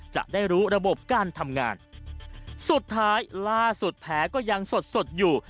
จะได้รู้ระบบการทำงานสุดท้ายล่าสุดแผลก็ยังสดสดอยู่